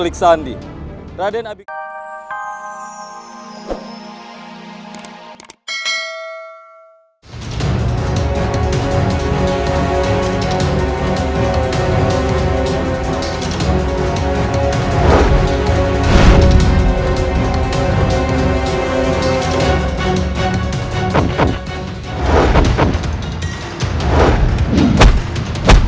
hei ada apa itu